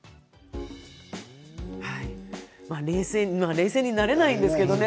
冷静になれないんですけどね。